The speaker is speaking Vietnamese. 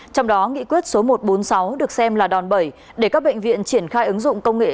trong đó nghị quyết số một trăm bốn mươi sáu được xem là đòn bẩy để các bệnh viện triển khai ứng dụng công nghệ